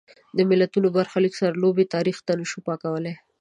د ملتونو برخلیک سره لوبې تاریخ نه شو پاکولای.